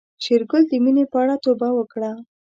شېرګل د مينې په اړه توبه وکړه.